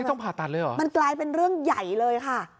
ต้องผ่าตัดเลยเหรอมันกลายเป็นเรื่องใหญ่เลยค่ะ